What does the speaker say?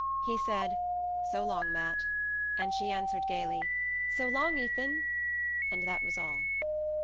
He said "So long, Matt," and she answered gaily "So long, Ethan"; and that was all.